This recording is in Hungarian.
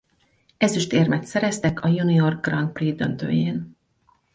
Ezüstérmet szereztek a Junior Grand Prix döntőjén.